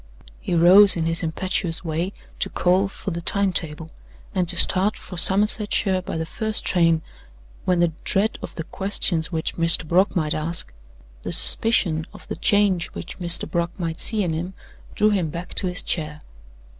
He rose in his impetuous way to call for the time table, and to start for Somersetshire by the first train, when the dread of the questions which Mr. Brock might ask, the suspicion of the change which Mr. Brock might see in him, drew him back to his chair.